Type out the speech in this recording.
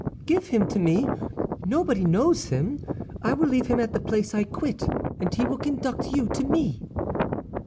"Give him to me. Nobody knows him. I will leave him at the place I quit, and he will conduct you to me."